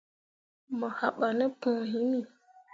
Mo haɓah ne põo himi.